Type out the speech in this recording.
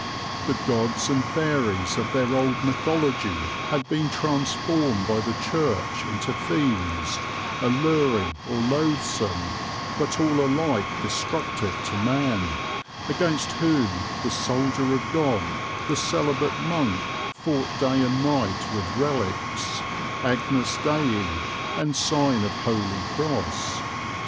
The gods and fairies of their old mythology had been transformed by the Church into fiends, alluring or loathsome, but all alike destructive to man, against whom the soldier of God, the celibate monk, fought day and night with relics, Agnus Dei, and sign of Holy Cross.